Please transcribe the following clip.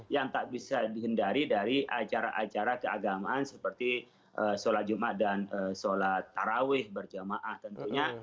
yang tak bisa dihindari dari acara acara keagamaan seperti sholat jumat dan sholat taraweh berjamaah tentunya